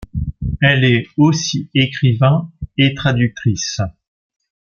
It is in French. Elle est aussi écrivain et traductrice.